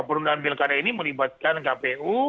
penundaan pilkada ini melibatkan kpu